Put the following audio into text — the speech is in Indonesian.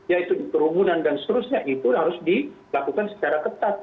yaitu kerumunan dan seterusnya itu harus dilakukan secara ketat